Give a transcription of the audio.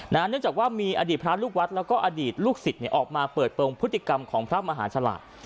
เนื่องจากว่ามีอดีตพระลูกวัดแล้วก็อดีตลูกศิษย์ออกมาเปิดโปรงพฤติกรรมของพระมหาฉลาด